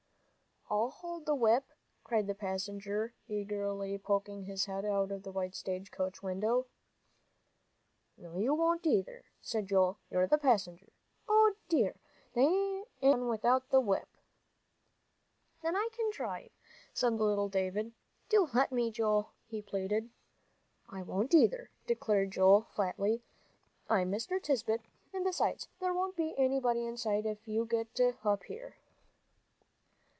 "I'll hold the whip," cried the passenger, eagerly, poking his head out of the stage coach window. "No, you won't, either," cried Joel. "You're the passenger. O dear me, there ain't any fun without th' whip!" "Then I can drive," said little David. "Do let me, Joel," he pleaded. "I won't either," declared Joel, flatly. "I'm Mr. Tisbett, and besides, there won't be anybody inside if you get up here."